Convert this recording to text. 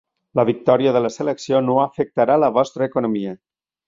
La victòria de la selecció no afectarà la vostra economia.